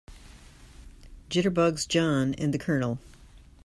Jitterbugs JOHN and the COLONEL.